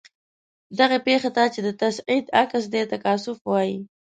دغې پیښې ته چې د تصعید عکس دی تکاثف وايي.